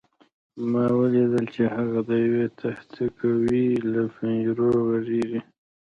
ما ولیدل چې هغه د یوې تهکوي له پنجرو غږېږي